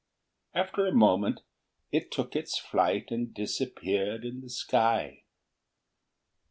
After a moment it took its flight and disappeared in the sky.